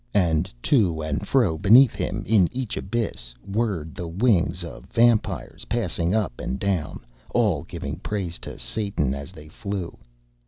And to and fro beneath him in each abyss whirred the wings of vampires passing up and down, all giving praise to Satan as they flew.